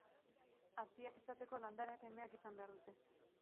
Haziak izateko landareak emeak izan behar dute.